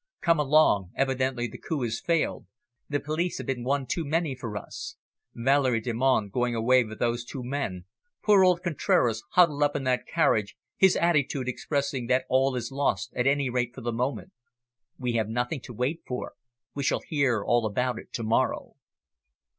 "Come along! Evidently the coup has failed; the police have been one too many for us. Valerie Delmonte going away with those two men, poor old Contraras huddled up in that carriage, his attitude expressing that all is lost, at any rate, for the moment! We have nothing to wait for. We shall hear all about it to morrow."